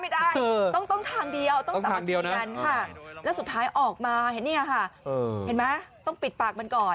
ต้องทางเดียวต้องสามารถดีกันค่ะแล้วสุดท้ายออกมาเห็นไหมต้องปิดปากมันก่อน